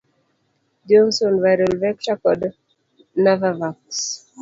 Johnson, Viral vector, kod Navavax.